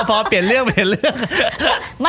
พอเปลี่ยนเรื่อง